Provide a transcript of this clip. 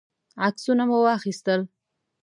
عکسونه مو واخیستل.